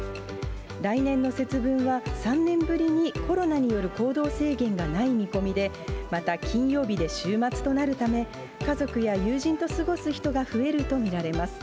来年の節分は、３年ぶりにコロナによる行動制限がない見込みで、また金曜日で週末となるため、家族や友人と過ごす人が増えると見られます。